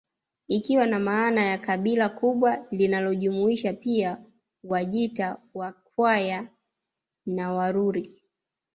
Ikiwa na maana ya kabila kubwa linalojumuisha pia Wajita Wakwaya na Waruri